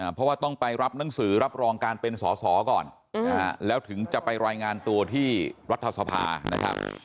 เพราะว่าต้องไปรับหนังสือรับรองการเป็นสอสอก่อนแล้วถึงจะไปรายงานตัวที่รัฐสภานะครับ